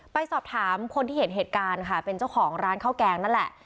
ไปสอบถามคนที่เห็นเหตุการณ์ค่ะเป็นเจ้าของร้านข้าวแกงนั่นแหละ